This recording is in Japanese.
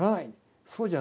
そうじゃない。